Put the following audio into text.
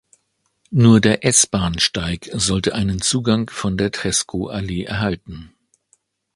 Nur der S-Bahnsteig sollte einen Zugang von der Treskowallee erhalten.